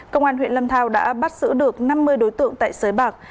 công an huyện lâm thao đã bắt giữ được năm mươi đối tượng tại sới bạc